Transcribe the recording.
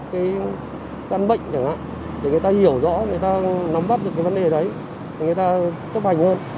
cái căn bệnh chẳng hạn để người ta hiểu rõ người ta nắm bắt được cái vấn đề đấy để người ta chấp hành hơn